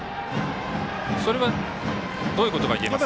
それはどういうことがいえますか？